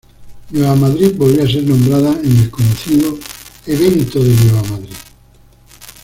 Nueva Madrid volvió a ser nombrada en el conocido ""Evento de Nueva Madrid"".